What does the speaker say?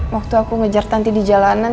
waktu aku ngejar tanti di jalanan